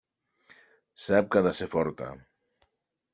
Sap que ha de ser forta.